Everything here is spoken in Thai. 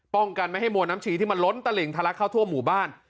กันไม่ให้มวลน้ำชีที่มันล้นตลิ่งทะลักเข้าทั่วหมู่บ้าน